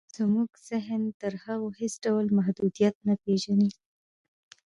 زموږ ذهن تر هغو هېڅ ډول محدوديت نه پېژني.